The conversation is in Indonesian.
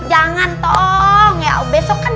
jangan toong besok kan